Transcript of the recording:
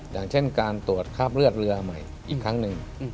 อย่างเช่นการตรวจคราบเลือดเรือใหม่อีกครั้งหนึ่ง